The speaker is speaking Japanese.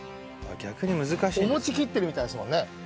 お餅切ってるみたいですもんね。